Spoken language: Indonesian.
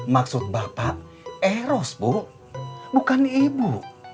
maksud bapak eros bu bukan ibu